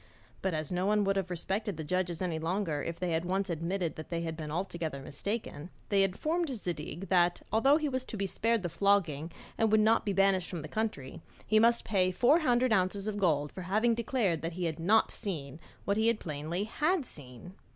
But as no one would have respected the judges any longer if they had once admitted that they had been altogether mistaken, they informed Zadig that, although he was to be spared the flogging and would not be banished from the country, he must pay four hundred ounces of gold for having declared he had not seen what he plainly had seen.